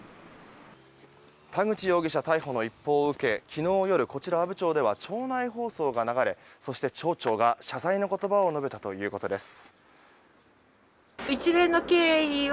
田口容疑者逮捕の一報を受け昨日夜、こちら阿武町では町内放送が流れそして町長が謝罪の言葉を述べたということです。